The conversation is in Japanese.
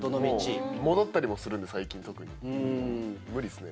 戻ったりもするんで、最近特に、無理ですね。